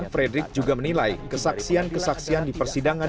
frederick juga menilai kesaksian kesaksian di persidangan